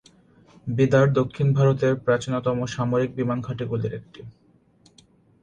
বিদার দক্ষিণ ভারতের প্রাচীনতম সামরিক বিমান ঘাঁটি গুলির একটি।